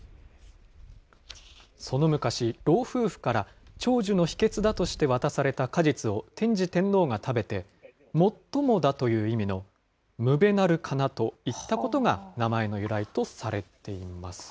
その昔、老夫婦から長寿の秘けつだとして渡された果実を天智天皇が食べて、もっともだという意味の、むべなるかなと言ったことが名前の由来とされています。